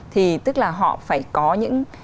thì tức là họ phải có những